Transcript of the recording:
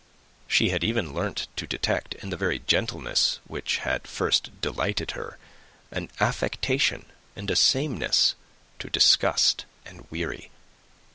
She had even learnt to detect, in the very gentleness which had first delighted her, an affectation and a sameness to disgust and weary.